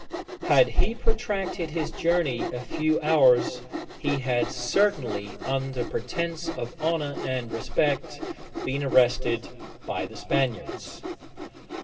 Had he protracted his journey a few hours, he had certainly, under pretence of honor and respect, been arrested by the Spaniards.